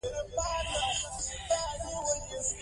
عسکري نومونه په پښتو ژبه واوښتل.